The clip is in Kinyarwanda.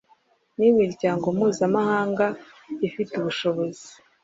n’imiryango mpuzamahanga ifite ubushobozi